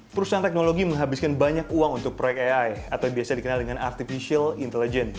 perusahaan teknologi menghabiskan banyak uang untuk proyek ai atau biasa dikenal dengan artificial intelligence